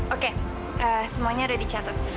oke semuanya udah dicatat